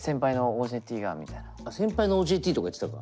あっ先輩のＯＪＴとか言ってたか。